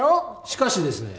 しかしですね